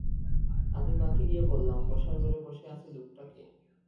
আমি মাকে গিয়ে বললাম, বসার ঘরে বসে আছে লোকটা কে?